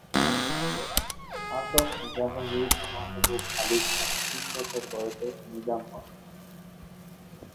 আসফ জাহ মীর মাহবুব আলী খান তিন বছর বয়সে নিজাম হন।